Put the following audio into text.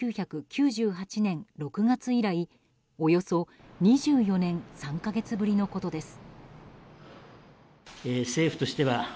１９９８年６月以来およそ２４年３か月ぶりのことです。